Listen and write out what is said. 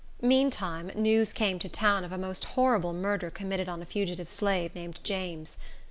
Meantime, news came to town of a most horrible murder committed on a fugitive slave, named James.